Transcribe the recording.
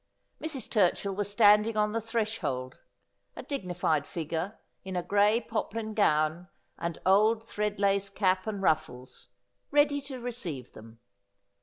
Mrs. Turchill was standing on the threshold — a dignified figure in a gray poplin gown and old thread lace cap and ruffles — ready to receive them.